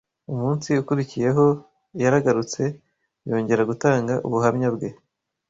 Umunsi ukurikiyeho yaragarutse yongera gutanga ubuhamya bwe,